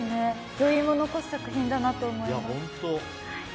余韻も残す作品だと思います。